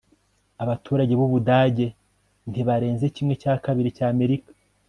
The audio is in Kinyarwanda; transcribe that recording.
abaturage b'ubudage ntibarenze kimwe cya kabiri cy'amerika